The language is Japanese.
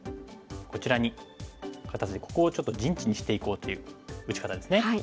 こちらに肩ツイてここをちょっと陣地にしていこうという打ち方ですね。